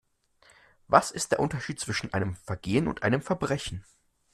Was ist der Unterschied zwischen einem Vergehen und einem Verbrechen?